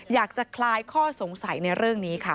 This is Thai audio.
อยากจะคลายข้อสงสัยในเรื่องนี้ค่ะ